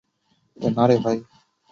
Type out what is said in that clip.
নারে, ভাই।